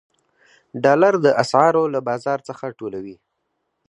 ډالر د اسعارو له بازار څخه ټولوي.